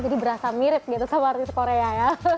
jadi berasa mirip gitu sama artis korea ya